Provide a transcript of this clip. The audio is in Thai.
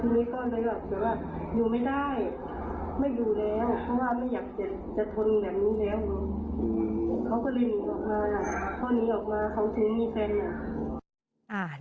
ทีนี้ออกมาเขาถึงมีแฟนหน่อย